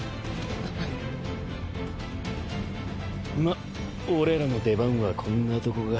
まっ俺らの出番はこんなとこか。